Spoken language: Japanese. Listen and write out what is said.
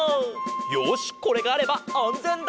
よしこれがあればあんぜんだ！